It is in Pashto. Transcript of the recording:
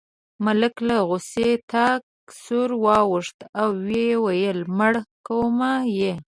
ملک له غوسې تک سور واوښت او وویل مړ کوم یې.